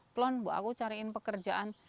plon mbak aku cariin pekerjaan